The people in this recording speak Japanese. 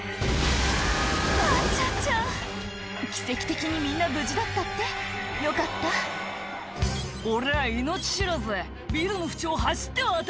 あちゃちゃ奇跡的にみんな無事だったってよかった「俺は命知らずビルの縁を走って渡るぜ」